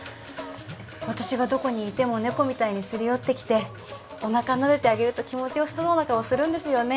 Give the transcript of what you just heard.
私がどこにいても猫みたいにすり寄ってきておなかなでてあげると気持ちよさそうな顔するんですよね